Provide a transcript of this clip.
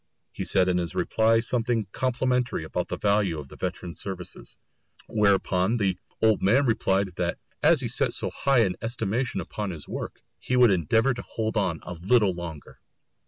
He said in his reply something complimentary about the value of the veteran's services. Whereupon the old man replied that as he set so high an estimation upon his work, he would endeavour to hold on a little longer!